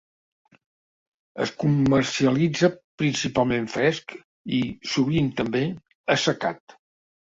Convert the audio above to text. Es comercialitza principalment fresc i, sovint també, assecat.